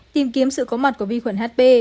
tìm kiếm sự có mặt của vi khuẩn hp